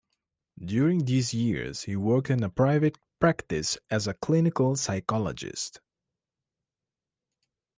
During these years, he worked in private practice as a clinical psychologist.